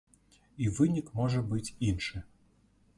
І вынік можа быць іншы.